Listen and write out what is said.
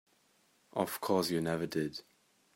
Of course you never did.